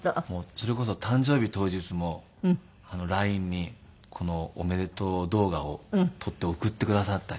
それこそ誕生日当日もＬＩＮＥにおめでとう動画を撮って送ってくださったり。